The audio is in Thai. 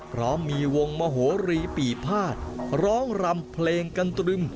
พร้อมมีวงมโหรีปีภาษร้องรำเพลงกันตรึม